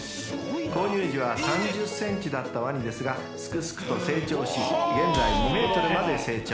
［購入時は３０ｃｍだったワニですがすくすくと成長し現在２ｍまで成長］